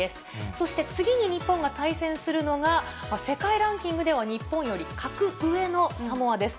そして次に日本が対戦するのが、世界ランキングでは日本より格上のサモアです。